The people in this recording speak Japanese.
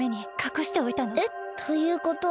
えっということは。